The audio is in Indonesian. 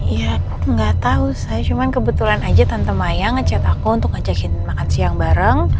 ya aku gak tahu shay cuma kebetulan aja tante mayang ngechat aku untuk ngajakin makan siang bareng